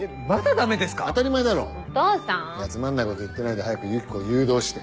つまんないこと言ってないで早くユキコを誘導して。